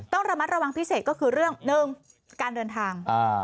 ต้องระมัดระวังพิเศษก็คือเรื่องหนึ่งการเดินทาง